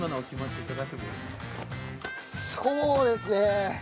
そうですね